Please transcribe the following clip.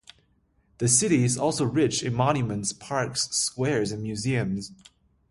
The city is also rich in monuments, parks, squares and museums.